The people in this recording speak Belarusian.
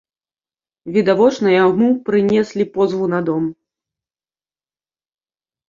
Відавочна, яму прынеслі позву на дом.